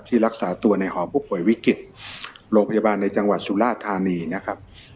รักษาตัวในหอผู้ป่วยวิกฤตโรงพยาบาลในจังหวัดสุราธานีนะครับ